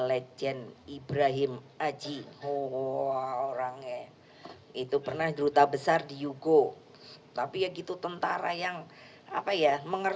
legend ibrahim aji oh orangnya itu pernah duta besar di yugo tapi ya gitu tentara yang apa ya